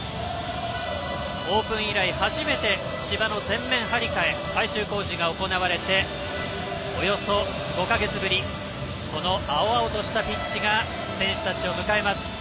オープン以来初めて芝の全面張り替え改修工事が行われておよそ５か月ぶりにこの青々としたピッチが選手たちを迎えます。